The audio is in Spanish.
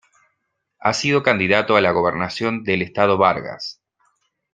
Ha sido candidato a la gobernación del estado Vargas.